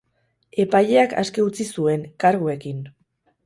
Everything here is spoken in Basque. Epaileak aske utzi zuen, karguekin.